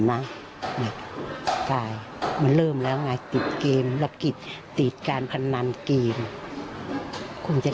นะใช่มันเริ่มแล้วไงติดเกมรับกิจติดการพนันเกมคงจะ